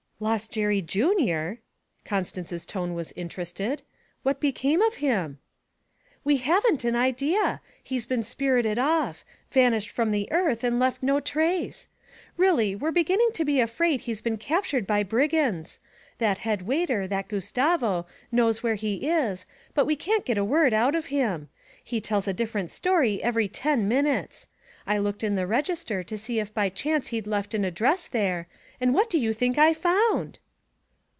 'Lost Jerry Junior!' Constance's tone was interested. 'What has become of him?' 'We haven't an idea. He's been spirited off vanished from the earth and left no trace. Really, we're beginning to be afraid he's been captured by brigands. That head waiter, that Gustavo, knows where he is, but we can't get a word out of him. He tells a different story every ten minutes. I looked in the register to see if by chance he'd left an address there, and what do you think I found?'